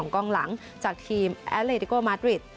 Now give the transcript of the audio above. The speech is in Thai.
๒กล้องหลังจากทีมแอลเลติโก้มาตรวิท